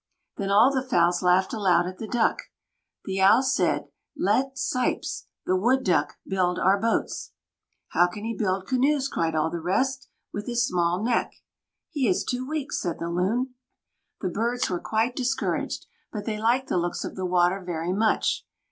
Then all the fowls laughed aloud at the Duck. The Owl said: "Let 'Sīps' [the Wood Duck] build our boats." "How can he build canoes," cried all the rest, "with his small neck?" "He is too weak," said the Loon. The birds were quite discouraged; but they liked the looks of the water very much.